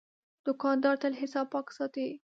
دوکاندار تل حساب پاک ساتي.